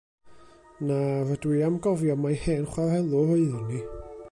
Na, rydw i am gofio mai hen chwarelwr oeddwn i.